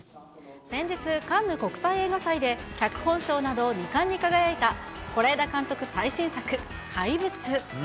先日、カンヌ国際映画祭で脚本賞など、２冠に輝いた是枝監督最新作、怪物。